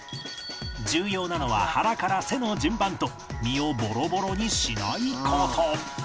重要なのは腹から背の順番と身をボロボロにしない事